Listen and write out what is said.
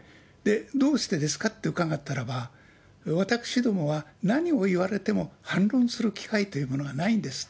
どうしてですかと伺ったならば、私どもは何を言われても反論する機会というものがないんです。